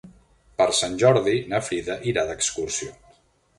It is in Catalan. Per Sant Jordi na Frida irà d'excursió.